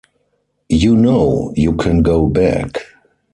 You know, you can go back.